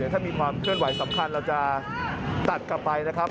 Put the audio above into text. ถ้ามีความเคลื่อนไหวสำคัญเราจะตัดกลับไปนะครับ